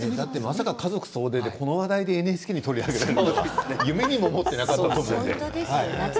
まさか家族総出でこの話題をＮＨＫで取り上げられるとは夢にも思っていなかったと思います。